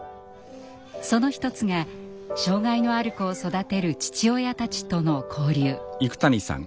その一つが障害のある子を育てる父親たちとの交流。